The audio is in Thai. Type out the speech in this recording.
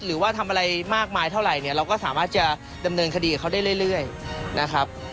หรือว่าทำอะไรมากมายเท่าไหร่เนี่ยเราก็สามารถจะดำเนินคดีกับเขาได้เรื่อยนะครับ